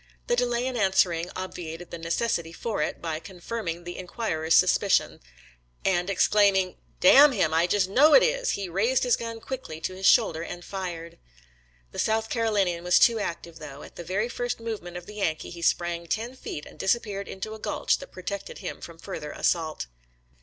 The delay in answering obviated the necessity for it by con firming the inquirer's suspicions, and, exclaim ing, " D n him, I just know it is !" he raised his gun quickly to his shoulder and fired. The South Carolinian was too active, though; at the very first movement of the Yankee, he sprang ten feet and disappeared into a gulch that pro tected him from further assault.